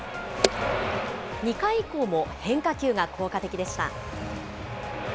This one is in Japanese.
２回以降も変化球が効果的でした。